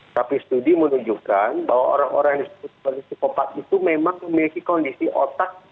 tapi studi menunjukkan bahwa orang orang yang disebut sebagai psikopat itu memang memiliki kondisi otak